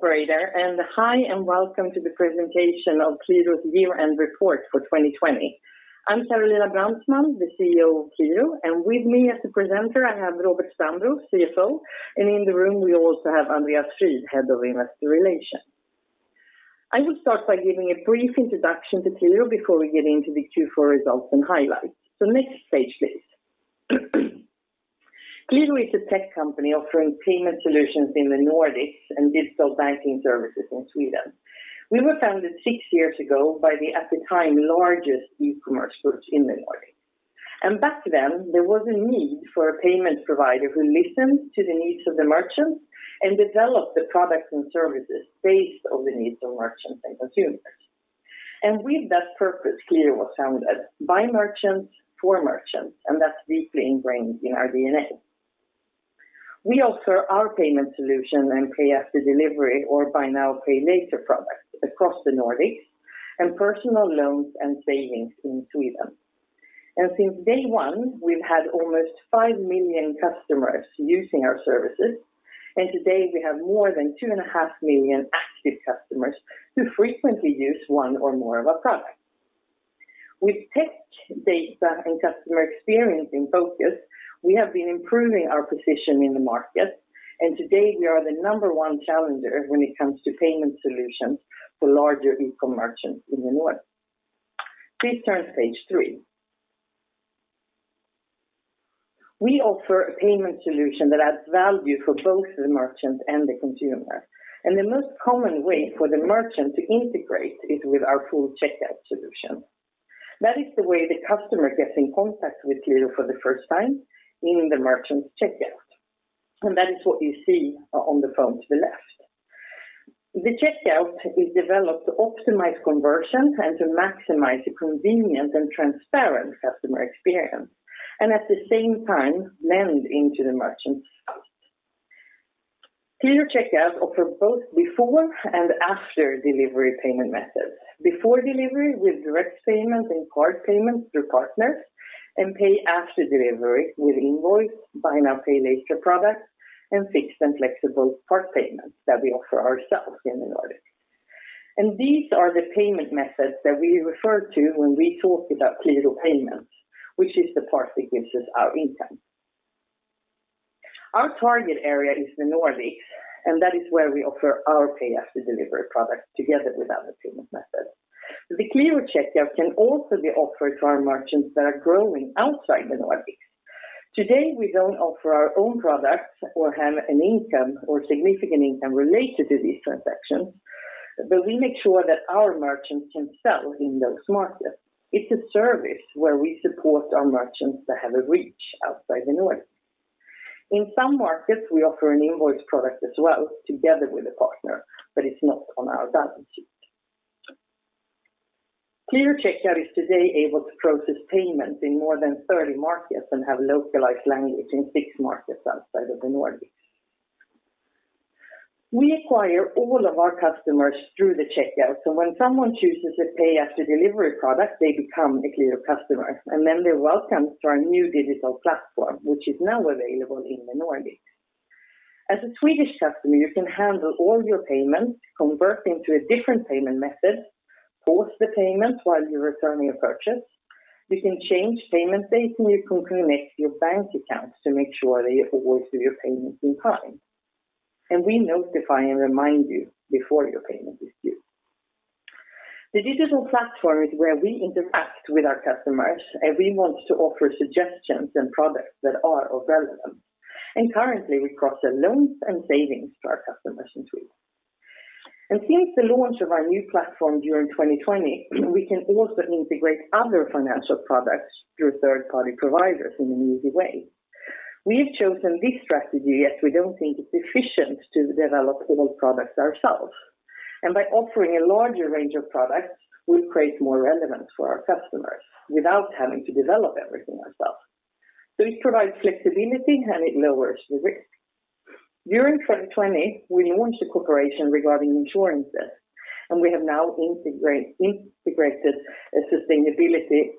Hi, and welcome to the presentation of Qliro's Year-End Report for 2020. I'm Carolina Brandtman, the CEO of Qliro, and with me as the presenter, I have Robert Stambro, CFO, and in the room we also have Andreas Frid, Head of Investor Relations. I will start by giving a brief introduction to Qliro before we get into the Q4 results and highlights. Next page, please. Qliro is a tech company offering payment solutions in the Nordics and digital banking services in Sweden. We were founded six years ago by the, at the time, largest e-commerce group in the Nordic. Back then, there was a need for a payment provider who listened to the needs of the merchants and developed the products and services based on the needs of merchants and consumers. With that purpose, Qliro was founded by merchants, for merchants, and that's deeply ingrained in our DNA. We offer our payment solution and pay after delivery or buy now, pay later products across the Nordics, and personal loans and savings in Sweden. Since day one, we've had almost 5 million customers using our services, and today we have more than 2.5 million active customers who frequently use one or more of our products. With tech data and customer experience in focus, we have been improving our position in the market, and today we are the number one challenger when it comes to payment solutions for larger e-commerce merchants in the North. Please turn to page three. We offer a payment solution that adds value for both the merchant and the consumer. The most common way for the merchant to integrate is with our full checkout solution. That is the way the customer gets in contact with Qliro for the first time in the merchant's checkout. That is what you see on the phone to the left. The checkout is developed to optimize conversion and to maximize the convenience and transparent customer experience. At the same time, blend into the merchant's site. Qliro Checkout offer both before and after delivery payment methods. Before delivery with direct payments and card payments through partners. Pay after delivery with invoice, buy now, pay later products, and fixed and flexible part payments that we offer ourselves in the Nordics. These are the payment methods that we refer to when we talk about Qliro payments, which is the part that gives us our income. Our target area is the Nordics, and that is where we offer our pay after delivery product together with other payment methods. The Qliro Checkout can also be offered to our merchants that are growing outside the Nordics. Today, we don't offer our own products or have an income or significant income related to these transactions, but we make sure that our merchants can sell in those markets. It's a service where we support our merchants that have a reach outside the Nordics. In some markets, we offer an invoice product as well together with a partner, but it's not on our balance sheet. Qliro Checkout is today able to process payments in more than 30 markets and have localized language in six markets outside of the Nordics. We acquire all of our customers through the checkout, so when someone chooses a pay after delivery product, they become a Qliro customer, and then they're welcome to our new digital platform, which is now available in the Nordics. As a Swedish customer, you can handle all your payments, convert them to a different payment method, pause the payment while you're returning a purchase. You can change payment dates, you can connect your bank accounts to make sure that you always do your payments in time. We notify and remind you before your payment is due. The digital platform is where we interact with our customers, and we want to offer suggestions and products that are of relevance. Currently, we process loans and savings to our customers in Sweden. Since the launch of our new platform during 2020, we can also integrate other financial products through third-party providers in an easy way. We've chosen this strategy, as we don't think it's efficient to develop all products ourselves. By offering a larger range of products, we create more relevance for our customers without having to develop everything ourselves. It provides flexibility, and it lowers the risk. During 2020, we launched a cooperation regarding insurances, and we have now integrated a sustainability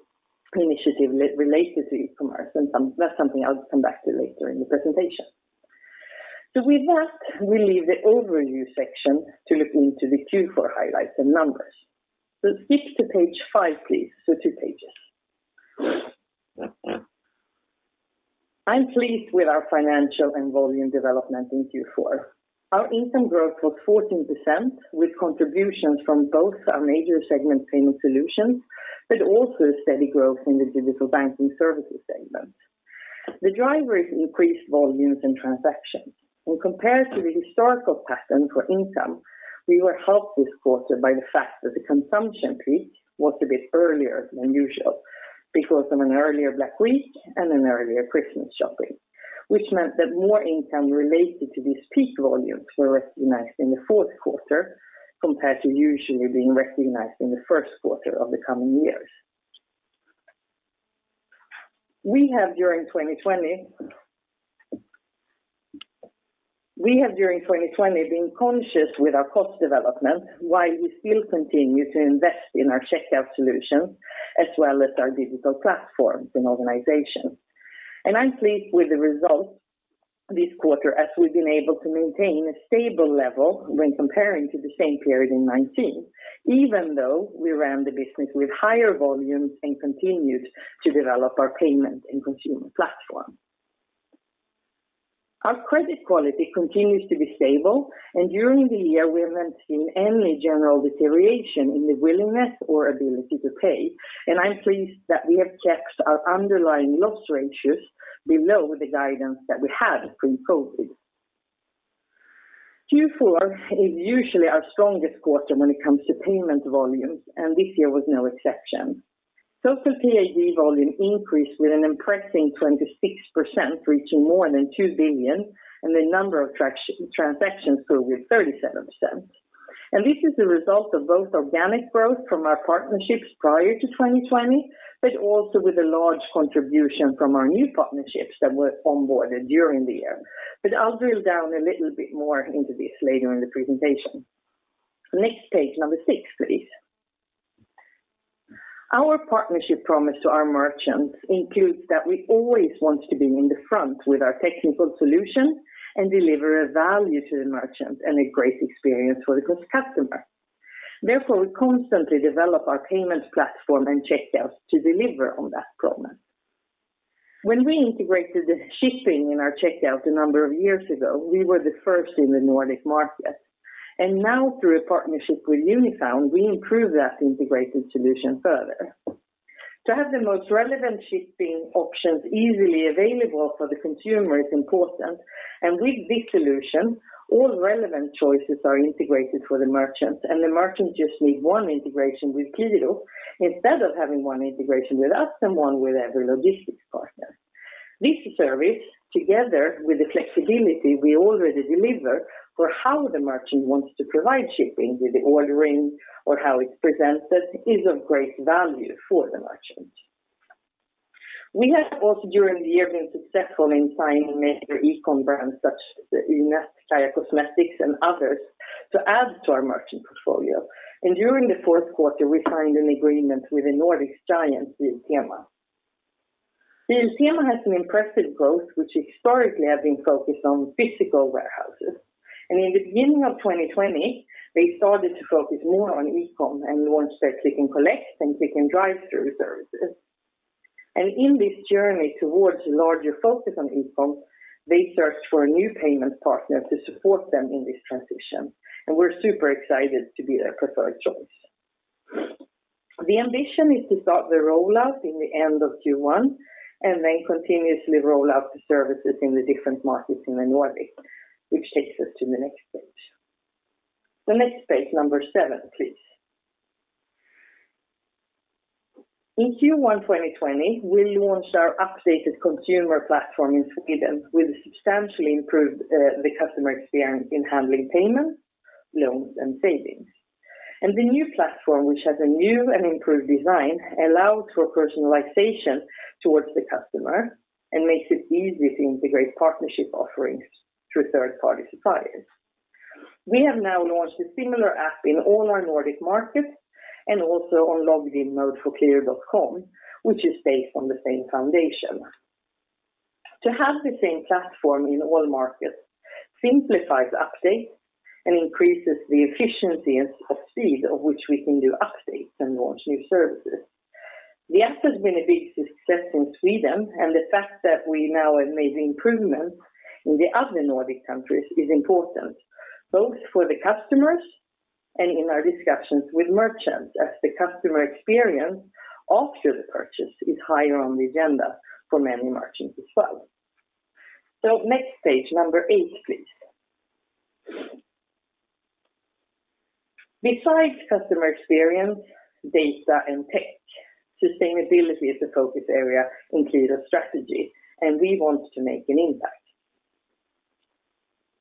initiative related to e-commerce, that's something I'll come back to later in the presentation. With that, we leave the overview section to look into the Q4 highlights and numbers. Skip to page five, please. Two pages. I'm pleased with our financial and volume development in Q4. Our income growth was 14%, with contributions from both our major segment payment solutions, but also a steady growth in the digital banking services segment. The drivers increased volumes and transactions. When compared to the historical pattern for income, we were helped this quarter by the fact that the consumption peak was a bit earlier than usual because of an earlier Black Week and an earlier Christmas shopping, which meant that more income related to these peak volumes were recognized in the fourth quarter, compared to usually being recognized in the first quarter of the coming years. We have, during 2020, been conscious with our cost development while we still continue to invest in our checkout solutions as well as our digital platforms and organization. I'm pleased with the results this quarter as we've been able to maintain a stable level when comparing to the same period in 2019, even though we ran the business with higher volumes and continued to develop our payment and consumer platform. Our credit quality continues to be stable and during the year we haven't seen any general deterioration in the willingness or ability to pay, and I'm pleased that we have kept our underlying loss ratios below the guidance that we had pre-COVID-19. Q4 is usually our strongest quarter when it comes to payment volumes, and this year was no exception. Total PAD volume increased with an impressive 26%, reaching more than 2 billion, the number of transactions grew with 37%. This is a result of both organic growth from our partnerships prior to 2020, but also with a large contribution from our new partnerships that were onboarded during the year. I'll drill down a little bit more into this later in the presentation. Next page, number six, please. Our partnership promise to our merchants includes that we always want to be in the front with our technical solution and deliver a value to the merchant and a great experience for the customer. Therefore, we constantly develop our payments platform and Checkout to deliver on that promise. When we integrated the shipping in our Checkout a number of years ago, we were the first in the Nordic market. Now through a partnership with Unifaun, we improve that integrated solution further. To have the most relevant shipping options easily available for the consumer is important, with this solution, all relevant choices are integrated for the merchant, the merchant just need one integration with Qliro instead of having one integration with us and one with every logistics partner. This service, together with the flexibility we already deliver for how the merchant wants to provide shipping with the ordering or how it's presented, is of great value for the merchant. We have also during the year been successful in signing major eCom brands such as CAIA Cosmetics and others to add to our merchant portfolio. During the fourth quarter, we signed an agreement with the Nordics giant, Biltema. Biltema has an impressive growth, which historically have been focused on physical warehouses. In the beginning of 2020, they started to focus more on eCom and launched their click and collect and click and drive-through services. In this journey towards larger focus on eCom, they searched for a new payment partner to support them in this transition, and we're super excited to be their preferred choice. The ambition is to start the rollout in the end of Q1 and then continuously roll out the services in the different markets in the Nordic, which takes us to the next page. The next page, number seven, please. In Q1 2020, we launched our updated consumer platform in Sweden with substantially improved the customer experience in handling payments, loans, and savings. The new platform, which has a new and improved design, allows for personalization towards the customer and makes it easy to integrate partnership offerings through third-party suppliers. We have now launched a similar app in all our Nordic markets and also on logged in mode for qliro.com, which is based on the same foundation. To have the same platform in all markets simplifies updates and increases the efficiency and speed of which we can do updates and launch new services. The app has been a big success in Sweden, and the fact that we now have made improvements in the other Nordic countries is important, both for the customers and in our discussions with merchants, as the customer experience after the purchase is higher on the agenda for many merchants as well. Next page, number eight, please. Besides customer experience, data, and tech, sustainability is a focus area in Qliro strategy, and we want to make an impact.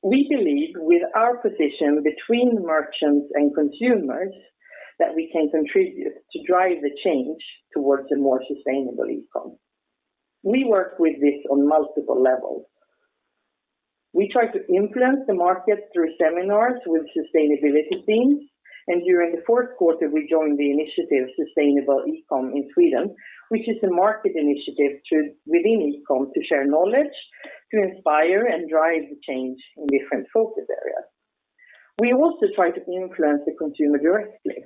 We believe with our position between merchants and consumers that we can contribute to drive the change towards a more sustainable eCom. We work with this on multiple levels. We try to influence the market through seminars with sustainability themes. During the fourth quarter, we joined the initiative, sustainability, and freedom, which is a market initiative within eCom to share knowledge, to inspire, and drive the change in different focus areas. We also try to influence the consumer directly.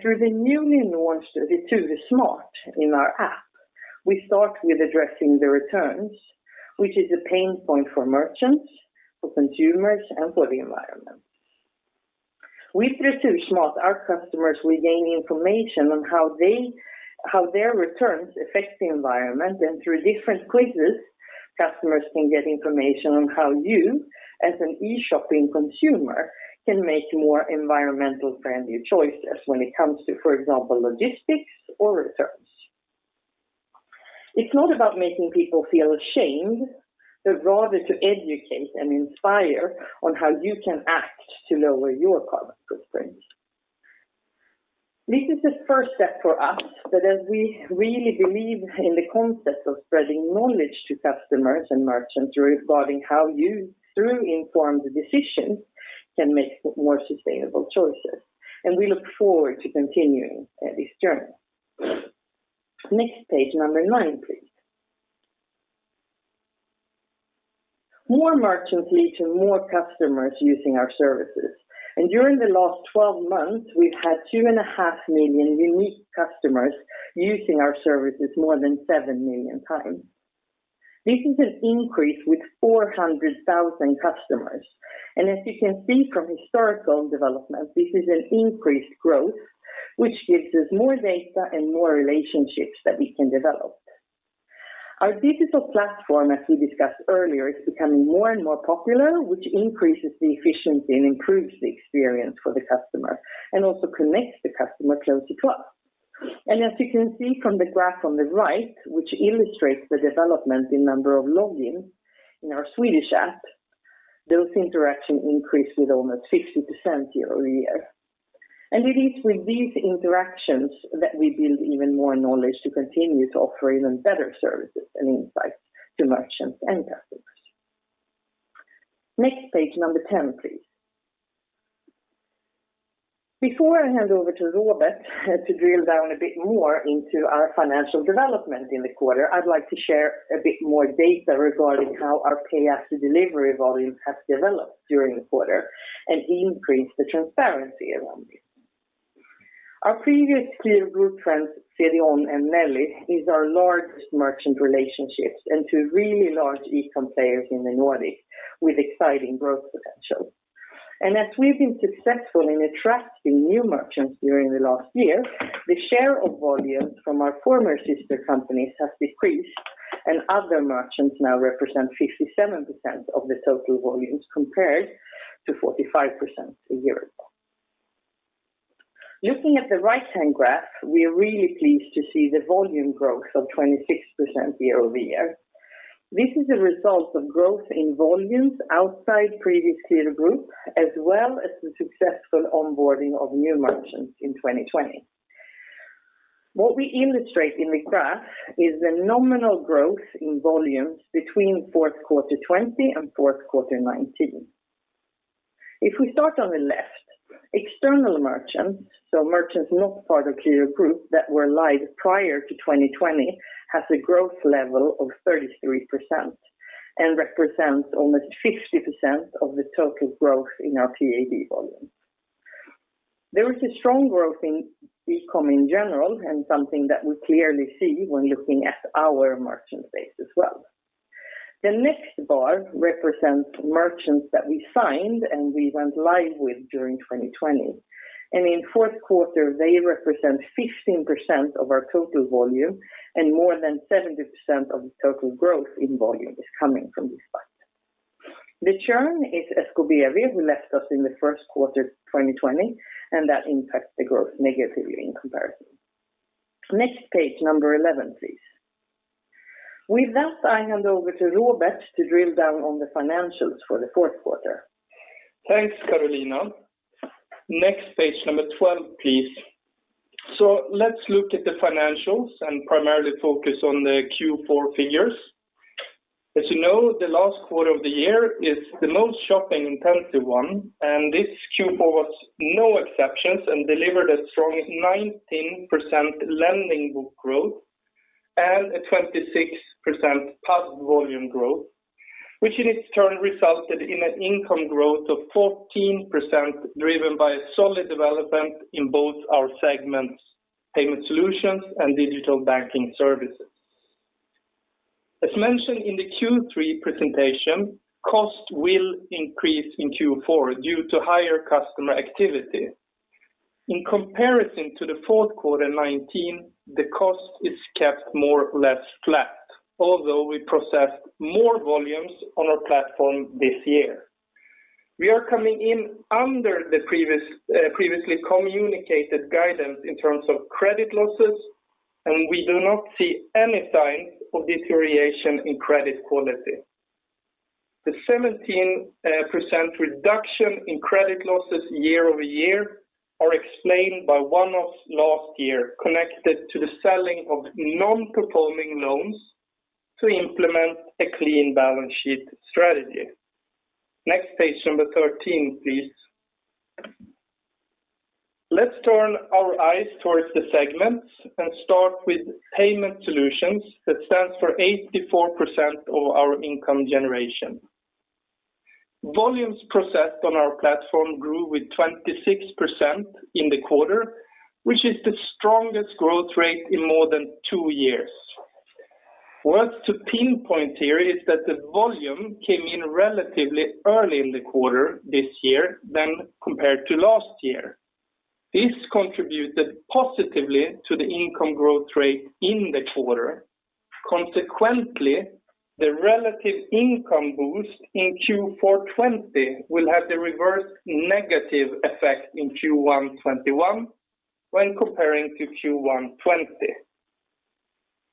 Through the newly launched the Qliro Smart in our app, we start with addressing the returns, which is a pain point for merchants, for consumers, and for the environment. With the Qliro Smart, our customers will gain information on how their returns affect the environment and through different quizzes, customers can get information on how you, as an eShopping consumer, can make more environmental-friendlier choices when it comes to for example, logistics or returns. It's not about making people feel ashamed, rather to educate and inspire on how you can act to lower your carbon footprints. This is the first step for us, as we really believe in the concept of spreading knowledge to customers and merchants regarding how you, through informed decisions, can make more sustainable choices, we look forward to continuing this journey. Next page, number nine, please. More merchants lead to more customers using our services, during the last 12 months, we've had 2.5 million unique customers using our services more than 7 million times. This is an increase with 400,000 customers. As you can see from historical development, this is an increased growth, which gives us more data and more relationships that we can develop. Our digital platform, as we discussed earlier, is becoming more and more popular, which increases the efficiency and improves the experience for the customer and also connects the customer closely to us. As you can see from the graph on the right, which illustrates the development in number of logins in our Swedish app, those interactions increased with almost 50% year-over-year. It is with these interactions that we build even more knowledge to continue to offer even better services and insights to merchants and customers. Next page, number 10, please. Before I hand over to Robert to drill down a bit more into our financial development in the quarter, I'd like to share a bit more data regarding how our pay after delivery volume has developed during the quarter and increase the transparency around it. Our previous Qliro Group brands, CDON and Nelly, is our largest merchant relationships and two really large e-com players in the Nordics with exciting growth potential. As we've been successful in attracting new merchants during the last year, the share of volumes from our former sister companies has decreased, and other merchants now represent 57% of the total volumes, compared to 45% a year ago. Looking at the right-hand graph, we are really pleased to see the volume growth of 26% year-over-year. This is a result of growth in volumes outside previous Qliro Group, as well as the successful onboarding of new merchants in 2020. What we illustrate in the graph is the nominal growth in volumes between fourth quarter 2020 and fourth quarter 2019. If we start on the left, external merchants, so merchants not part of Qliro Group that were live prior to 2020, has a growth level of 33% and represents almost 50% of the total growth in our PAD volume. There is a strong growth in e-com in general, and something that we clearly see when looking at our merchant base as well. The next bar represents merchants that we signed and we went live with during 2020. In fourth quarter, they represent 15% of our total volume and more than 70% of the total growth in volume is coming from this side. The churn is Saco Bia who left us in the first quarter 2020, and that impacts the growth negatively in comparison. Next page, number 11, please. With that, I hand over to Robert to drill down on the financials for the fourth quarter. Thanks, Carolina. Next page, number 12, please. Let's look at the financials and primarily focus on the Q4 figures. As you know, the last quarter of the year is the most shopping-intensive one, and this Q4 was no exception and delivered a strong 19% lending book growth and a 26% PAD volume growth, which in its turn resulted in an income growth of 14%, driven by a solid development in both our segments, payment solutions and digital banking services. As mentioned in the Q3 presentation, costs will increase in Q4 due to higher customer activity. In comparison to the fourth quarter 2019, the cost is kept more or less flat, although we processed more volumes on our platform this year. We are coming in under the previously communicated guidance in terms of credit losses, and we do not see any signs of deterioration in credit quality. The 17% reduction in credit losses year-over-year are explained by one-off last year connected to the selling of non-performing loans to implement a clean balance sheet strategy. Next page, number 13, please. Let's turn our eyes towards the segments and start with payment solutions, that stands for 84% of our income generation. Volumes processed on our platform grew with 26% in the quarter, which is the strongest growth rate in more than two years. Worth to pinpoint here is that the volume came in relatively early in the quarter this year than compared to last year. This contributed positively to the income growth rate in the quarter. Consequently, the relative income boost in Q4 2020 will have the reverse negative effect in Q1 2021 when comparing to Q1 2020.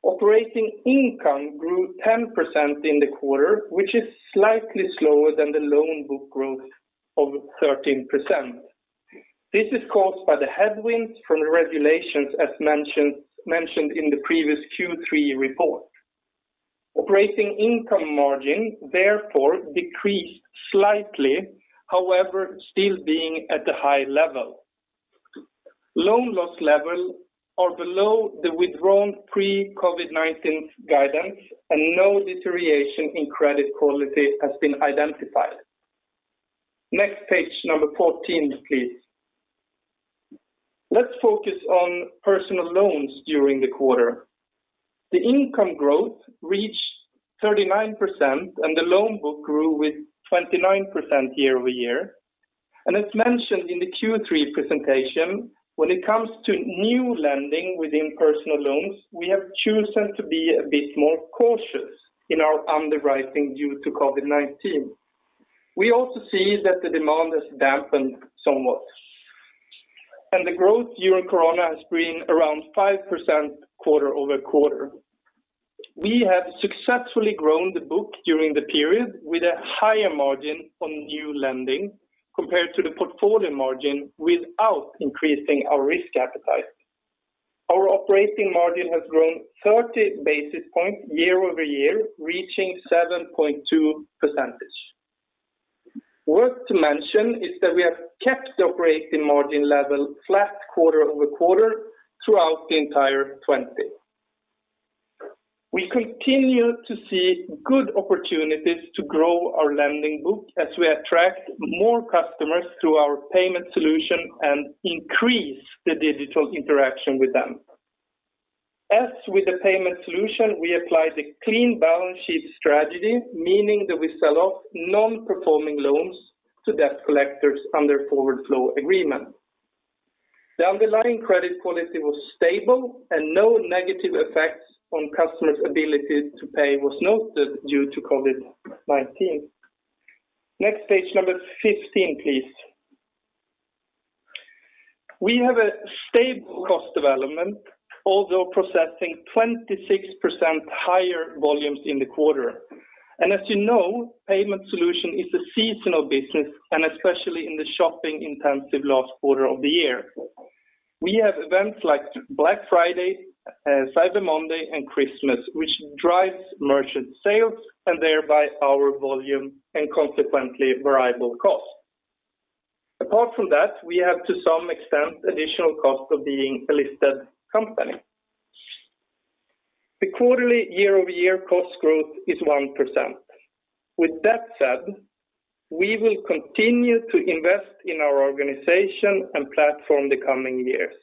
Operating income grew 10% in the quarter, which is slightly slower than the loan book growth of 13%. This is caused by the headwinds from the regulations, as mentioned in the previous Q3 report. Operating income margin therefore decreased slightly, however, still being at the high level. Loan loss level are below the withdrawn pre-COVID-19 guidance and no deterioration in credit quality has been identified. Next page, number 14, please. Let's focus on personal loans during the quarter. The income growth reached 39% and the loan book grew with 29% year-over-year. As mentioned in the Q3 presentation, when it comes to new lending within personal loans, we have chosen to be a bit more cautious in our underwriting due to COVID-19. We also see that the demand has dampened somewhat, and the growth during COVID-19 has been around 5% quarter-over-quarter. We have successfully grown the book during the period with a higher margin on new lending compared to the portfolio margin without increasing our risk appetite. Our operating margin has grown 30 basis points year-over-year, reaching 7.2%. Worth to mention is that we have kept the operating margin level flat quarter-over-quarter throughout the entire 2020. We continue to see good opportunities to grow our lending book as we attract more customers through our payment solution and increase the digital interaction with them. As with the payment solution, we apply the clean balance sheet strategy, meaning that we sell off non-performing loans to debt collectors under forward flow agreement. The underlying credit quality was stable and no negative effects on customers' ability to pay was noted due to COVID-19. Next page, number 15, please. We have a stable cost development although processing 26% higher volumes in the quarter. As you know, payment solution is a seasonal business and especially in the shopping intensive last quarter of the year. We have events like Black Friday, Cyber Monday and Christmas, which drives merchant sales and thereby our volume and consequently variable cost. Apart from that, we have to some extent additional cost of being a listed company. The quarterly year-over-year cost growth is 1%. With that said, we will continue to invest in our organization and platform the coming years.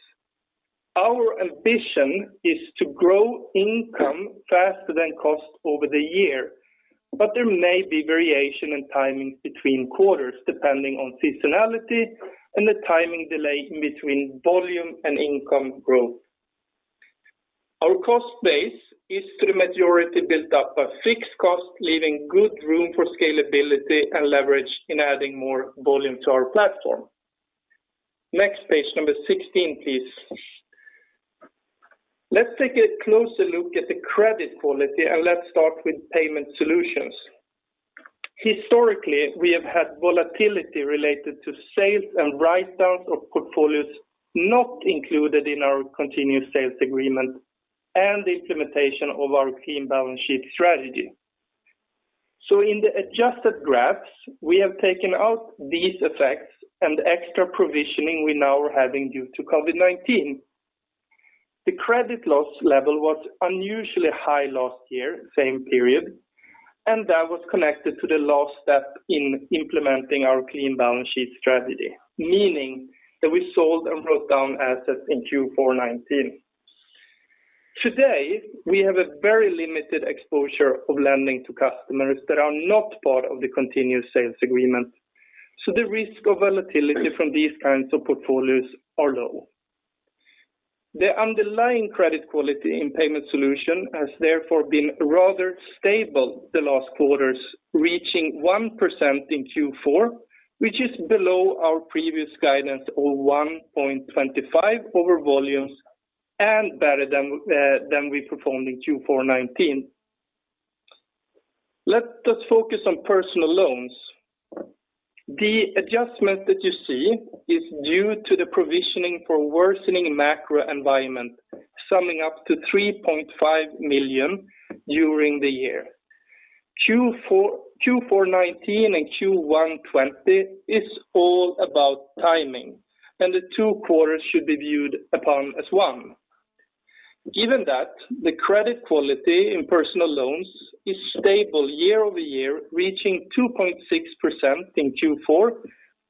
Our ambition is to grow income faster than cost over the year, there may be variation in timing between quarters depending on seasonality and the timing delay between volume and income growth. Our cost base is to the majority built up by fixed cost, leaving good room for scalability and leverage in adding more volume to our platform. Next page, number 16, please. Let's take a closer look at the credit quality and let's start with payment solutions. Historically, we have had volatility related to sales and write-downs of portfolios not included in our continuous sales agreement and the implementation of our clean balance sheet strategy. In the adjusted graphs, we have taken out these effects and extra provisioning we now are having due to COVID-19. The credit loss level was unusually high last year, same period, and that was connected to the last step in implementing our clean balance sheet strategy. Meaning that we sold and wrote down assets in Q4 2019. Today, we have a very limited exposure of lending to customers that are not part of the continuous sales agreement. The risk of volatility from these kinds of portfolios are low. The underlying credit quality in payment solution has therefore been rather stable the last quarters reaching 1% in Q4, which is below our previous guidance of 1.25 over volumes and better than we performed in Q4 2019. Let us focus on personal loans. The adjustment that you see is due to the provisioning for worsening macro environment, summing up to 3.5 million during the year. Q4 2019 and Q1 2020 is all about timing, and the two quarters should be viewed upon as one. Given that the credit quality in personal loans is stable year-over-year reaching 2.6% in Q4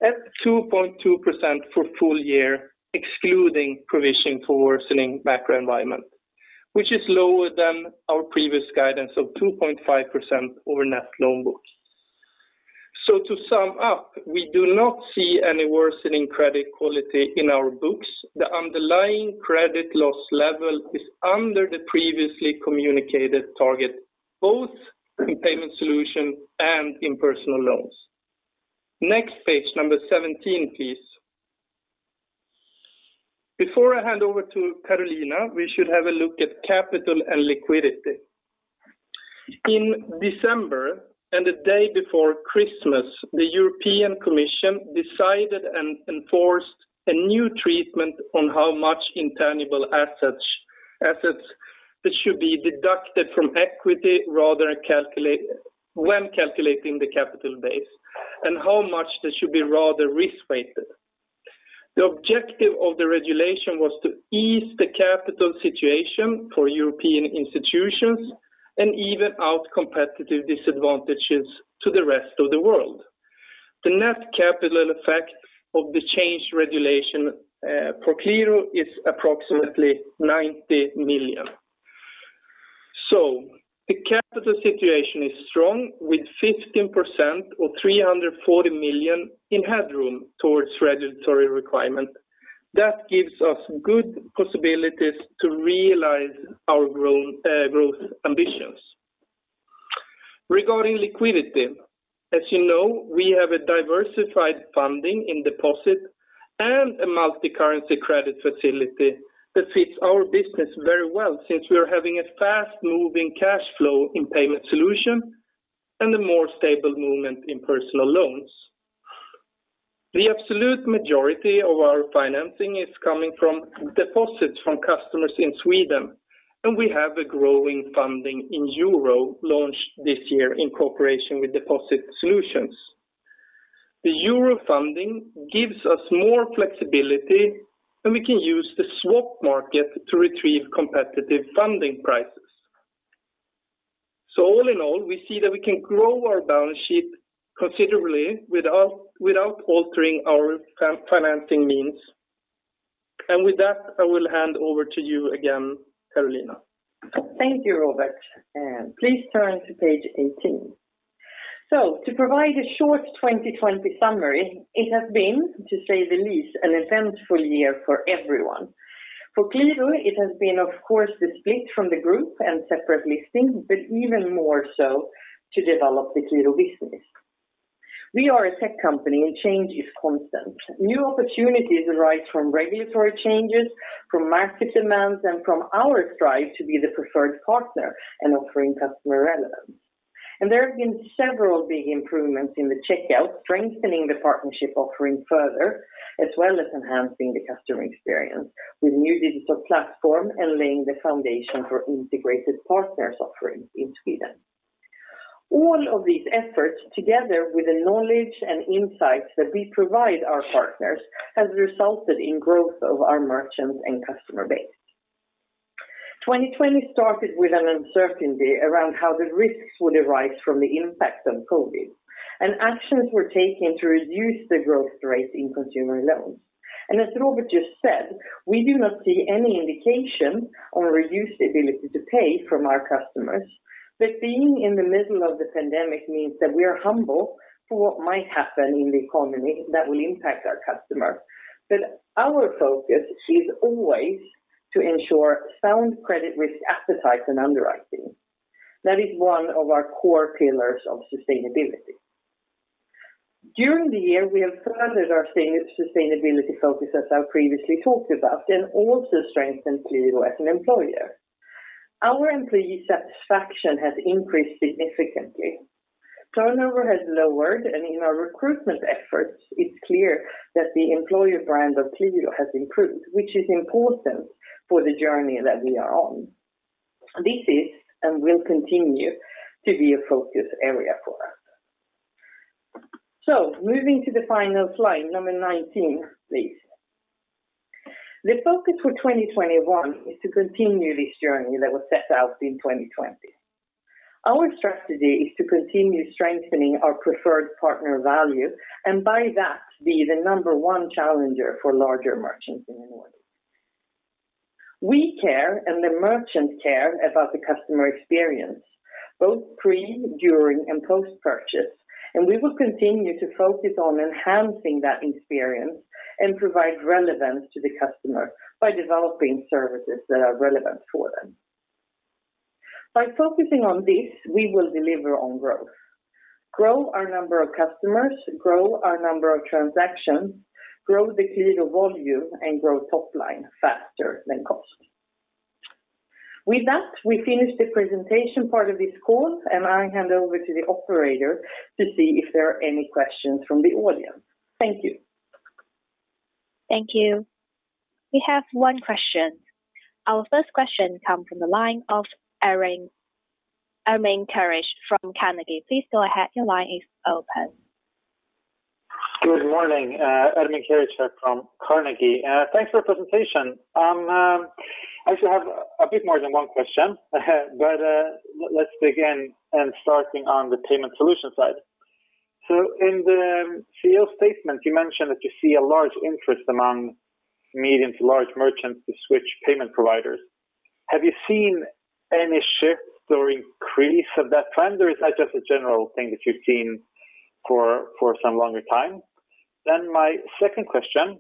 at 2.2% for full year, excluding provisioning for worsening macro environment, which is lower than our previous guidance of 2.5% over net loan book. To sum up, we do not see any worsening credit quality in our books. The underlying credit loss level is under the previously communicated target, both in payment solution and in personal loans. Next page, number 17, please. Before I hand over to Carolina, we should have a look at capital and liquidity. In December and the day before Christmas, the European Commission decided and enforced a new treatment on how much intangible assets that should be deducted from equity when calculating the capital base and how much that should be rather risk-weighted. The objective of the regulation was to ease the capital situation for European institutions and even out competitive disadvantages to the rest of the world. The net capital effect of the changed regulation for Qliro is approximately 90 million. The capital situation is strong with 15% or 340 million in headroom towards regulatory requirement. That gives us good possibilities to realize our growth ambitions. Regarding liquidity, as you know, we have a diversified funding in deposit and a multicurrency credit facility that fits our business very well since we are having a fast-moving cash flow in payment solution and a more stable movement in personal loans. The absolute majority of our financing is coming from deposits from customers in Sweden, and we have a growing funding in euro launched this year in cooperation with Deposit Solutions. The euro funding gives us more flexibility, and we can use the swap market to retrieve competitive funding prices. All in all, we see that we can grow our balance sheet considerably without altering our financing means. With that, I will hand over to you again, Carolina. Thank you, Robert. Please turn to page 18. To provide a short 2020 summary, it has been, to say the least, an eventful year for everyone. For Qliro, it has been, of course, the split from the group and separate listings, but even more so to develop the Qliro business. We are a tech company and change is constant. New opportunities arise from regulatory changes, from market demands, and from our strive to be the preferred partner in offering customer relevance. There have been several big improvements in the checkout, strengthening the partnership offering further, as well as enhancing the customer experience with new digital platform and laying the foundation for integrated partners offering in Sweden. All of these efforts, together with the knowledge and insights that we provide our partners, has resulted in growth of our merchants and customer base. 2020 started with an uncertainty around how the risks would arise from the impact of COVID. Actions were taken to reduce the growth rate in consumer loans. As Robert Stambro just said, we do not see any indication on reduced ability to pay from our customers. Being in the middle of the pandemic means that we are humble for what might happen in the economy that will impact our customers. Our focus is always to ensure sound credit risk appetite and underwriting. That is one of our core pillars of sustainability. During the year, we have furthered our sustainability focus, as I previously talked about, and also strengthened Qliro as an employer. Our employee satisfaction has increased significantly. Turnover has lowered, and in our recruitment efforts, it's clear that the employer brand of Qliro has improved, which is important for the journey that we are on. This is and will continue to be a focus area for us. Moving to the final slide, number 19, please. The focus for 2021 is to continue this journey that was set out in 2020. Our strategy is to continue strengthening our preferred partner value and by that be the number one challenger for larger merchants in the Nordics. We care and the merchants care about the customer experience, both pre, during, and post-purchase. We will continue to focus on enhancing that experience and provide relevance to the customer by developing services that are relevant for them. By focusing on this, we will deliver on growth, grow our number of customers, grow our number of transactions, grow the Qliro volume, and grow top line faster than cost. With that, we finish the presentation part of this call, and I hand over to the operator to see if there are any questions from the audience. Thank you. Thank you. We have one question. Our first question comes from the line of Ermin Keric from Carnegie. Please go ahead. Your line is open. Good morning. Ermin Keric here from Carnegie. Thanks for the presentation. I actually have a bit more than one question, but let's begin and starting on the payment solution side. In the CEO statement, you mentioned that you see a large interest among medium to large merchants to switch payment providers. Have you seen any shifts or increase of that trend, or is that just a general thing that you've seen for some longer time? My second question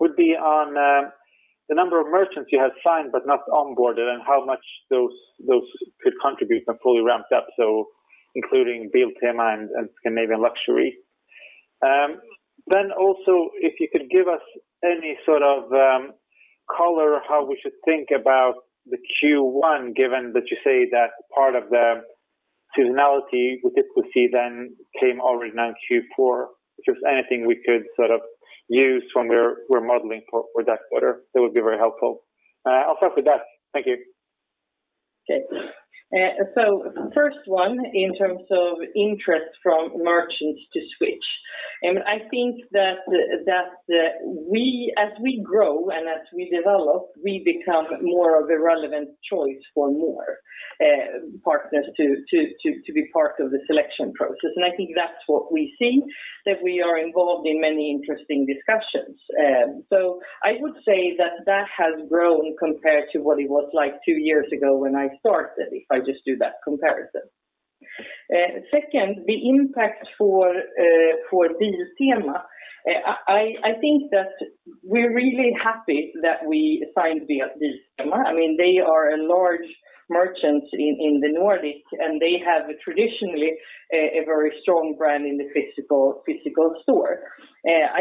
would be on the number of merchants you have signed but not onboarded and how much those could contribute when fully ramped up, including Biltema and Scandinavian Luxury. Also, if you could give us any sort of color how we should think about the Q1, given that you say that part of the seasonality we typically see then came already now in Q4. If there's anything we could use from your modeling for that quarter, that would be very helpful. I'll start with that. Thank you. Okay. First one, in terms of interest from merchants to switch. Ermin, I think that as we grow and as we develop, we become more of a relevant choice for more partners to be part of the selection process. I think that's what we see, that we are involved in many interesting discussions. I would say that that has grown compared to what it was like two years ago when I started, if I just do that comparison. Second, the impact for Biltema. I think that we're really happy that we signed via Biltema. They are a large merchant in the Nordics, and they have traditionally a very strong brand in the physical store.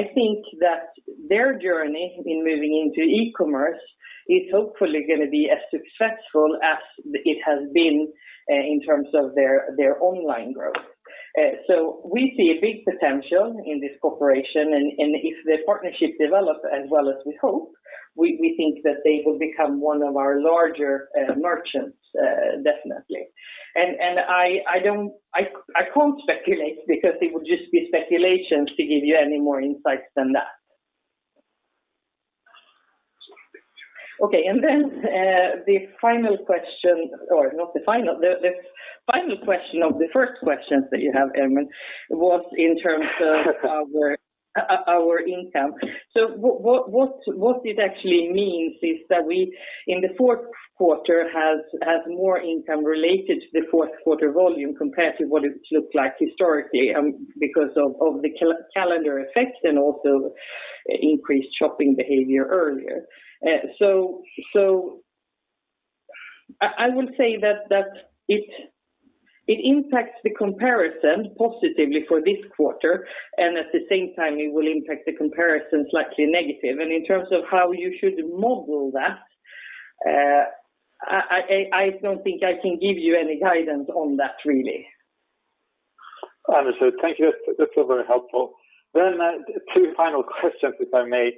I think that their journey in moving into e-commerce is hopefully going to be as successful as it has been in terms of their online growth. We see a big potential in this cooperation, and if the partnership develops as well as we hope, we think that they will become one of our larger merchants definitely. I can't speculate because it would just be speculation to give you any more insights than that. The final question, or not the final, of the first questions that you have, Ermin, was in terms of our income. What it actually means is that we, in the fourth quarter, have more income related to the fourth quarter volume compared to what it looked like historically, because of the calendar effect and also increased shopping behavior earlier. I will say that it impacts the comparison positively for this quarter, and at the same time it will impact the comparison slightly negative. In terms of how you should model that, I don't think I can give you any guidance on that really. Understood. Thank you. That's all very helpful. Two final questions, if I may.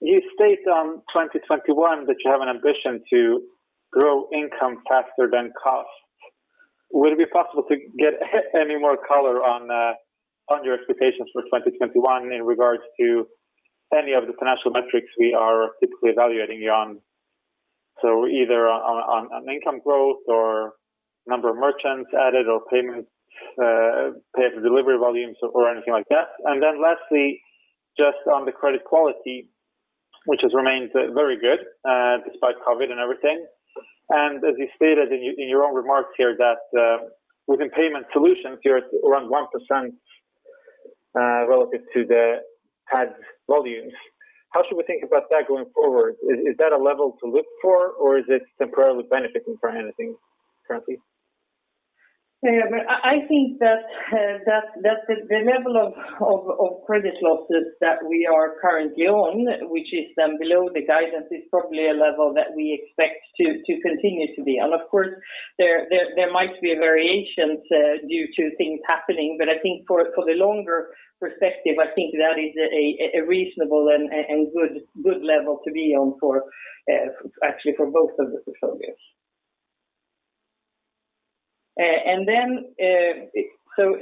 You state on 2021 that you have an ambition to grow income faster than cost. Will it be possible to get any more color on your expectations for 2021 in regards to any of the financial metrics we are typically evaluating you on? Either on income growth or number of merchants added or payment, pay after delivery volumes or anything like that. Lastly, just on the credit quality, which has remained very good despite COVID-19 and everything. As you stated in your own remarks here that within payment solutions, you're at around 1% relative to the PAD volumes. How should we think about that going forward? Is that a level to look for or is it temporarily benefiting from anything currently? I think that the level of credit losses that we are currently on, which is below the guidance, is probably a level that we expect to continue to be. Of course, there might be variations due to things happening, I think for the longer perspective, I think that is a reasonable and good level to be on actually for both of the portfolios.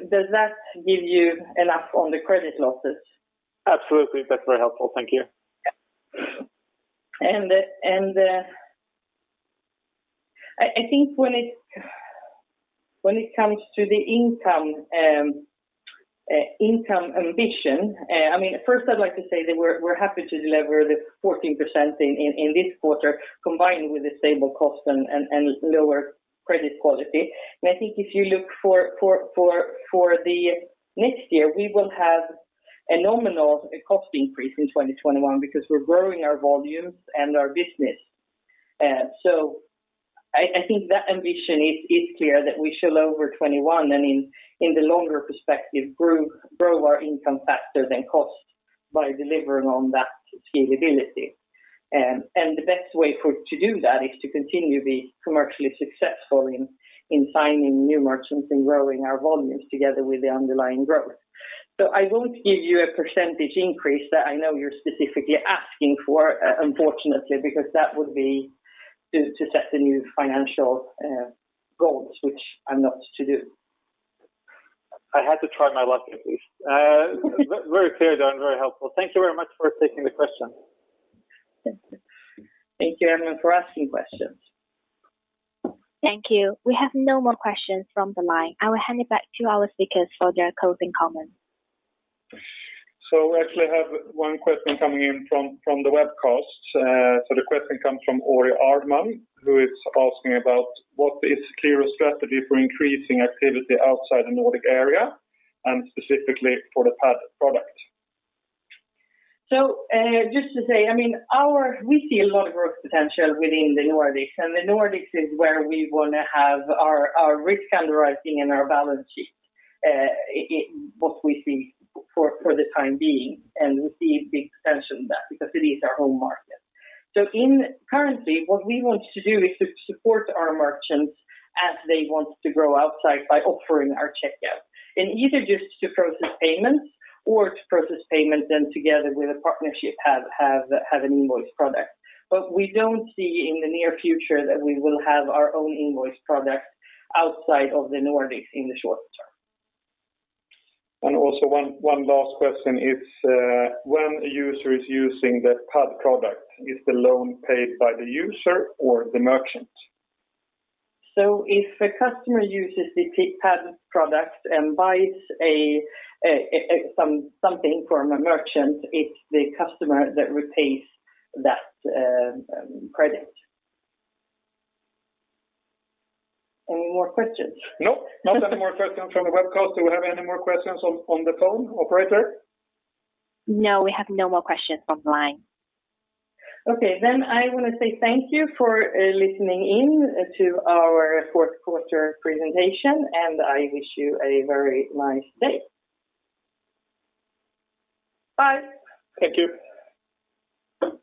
Does that give you enough on the credit losses? Absolutely. That's very helpful. Thank you. I think when it comes to the income ambition, first I'd like to say that we're happy to deliver the 14% in this quarter, combined with the stable cost and lower credit quality. I think if you look for the next year, we will have a nominal cost increase in 2021 because we're growing our volumes and our business. I think that ambition is clear that we shall, over 2021 and in the longer perspective, grow our income faster than cost by delivering on that scalability. The best way to do that is to continue to be commercially successful in signing new merchants and growing our volumes together with the underlying growth. I won't give you a percentage increase that I know you're specifically asking for, unfortunately, because that would be to set the new financial goals, which I'm not to do. I had to try my luck at least. Very clear, though, and very helpful. Thank you very much for taking the questions. Thank you, Ermin, for asking questions. Thank you. We have no more questions from the line. I will hand it back to our speakers for their closing comments. We actually have one question coming in from the webcast. The question comes from [Ari Agman], who is asking about what is Qliro's strategy for increasing activity outside the Nordic area, and specifically for the PAD product? Just to say, we see a lot of growth potential within the Nordics, and the Nordics is where we want to have our risk underwriting and our balance sheet, what we see for the time being. We see big potential in that because it is our home market. Currently, what we want to do is to support our merchants as they want to grow outside by offering our checkout. Either just to process payments or to process payments and together with a partnership have an invoice product. We don't see in the near future that we will have our own invoice product outside of the Nordics in the short term. Also one last question is, when a user is using the PAD product, is the loan paid by the user or the merchant? If a customer uses the PAD product and buys something from a merchant, it's the customer that repays that credit. Any more questions? Nope. Not any more questions from the webcast. Do we have any more questions on the phone, operator? No, we have no more questions on the line. Okay, I want to say thank you for listening in to our fourth quarter presentation, and I wish you a very nice day. Bye. Thank you.